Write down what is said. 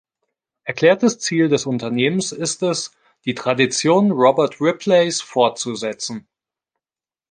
Erklärtes Ziel des Unternehmens ist es, die Tradition Robert Ripleys fortzusetzen.